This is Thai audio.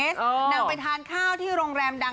นางไปทานข้าวที่โรงแรมดัง